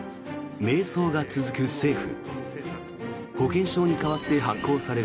迷走が続く政府。